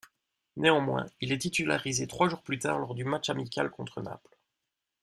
Néanmoins, il est titularisé trois jours plus tard lors du match amical contre Naples.